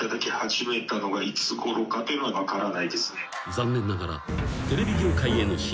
［残念ながら］